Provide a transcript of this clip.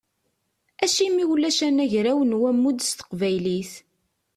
Acimi ulac anagraw n wammud s teqbaylit?